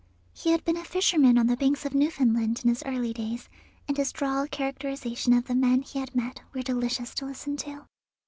He had been a fisherman on the banks of Newfoundland in his early days, and his droll characterization of the men he had met were delicious to listen to.